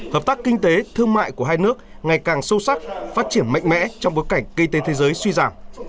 hợp tác kinh tế thương mại của hai nước ngày càng sâu sắc phát triển mạnh mẽ trong bối cảnh kinh tế thế giới suy giảm